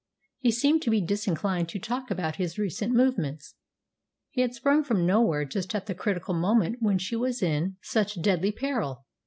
He seemed to be disinclined to talk about his recent movements. He had sprung from nowhere just at the critical moment when she was in such deadly peril.